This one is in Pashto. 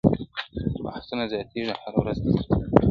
بحثونه زياتېږي هره ورځ دلته تل-